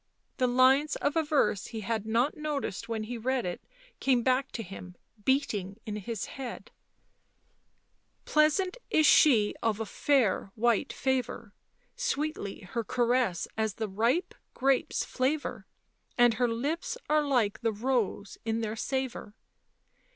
The lines of a verse he had not noticed when he read it came back to him, beating in his head :" Pleasant is she of a fair white favour, Sweet her caress as the ripe grape's flavour, And her lips are like the rose in their savour.